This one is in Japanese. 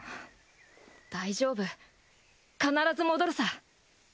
大丈夫必ず戻るさ。